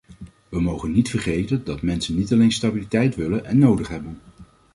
We mogen niet vergeten dat mensen niet alleen stabiliteit willen en nodig hebben.